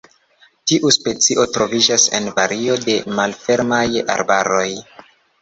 Tiu specio troviĝas en vario de malfermaj arbaroj.